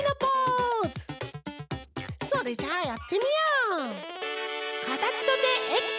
それじゃあやってみよう！